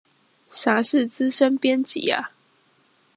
啥是資深編輯啊？